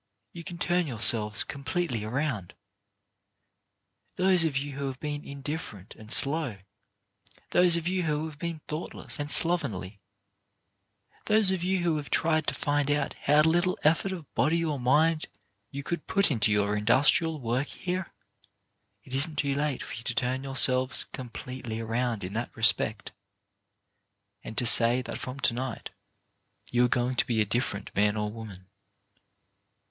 You can turn yourselves completely around. Those of you who have been indifferent and slow, those of you who have been thoughtless and slovenly, those of you who have tried to find out how little effort of body or mind you could put into your industrial work here, — it isn't too late for you to turn your selves completely around in that respect, and to say that from to night you are going to be a differ ent man or woman.